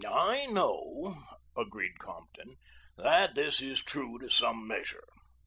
"I know," agreed Compton, "that that is true to some measure.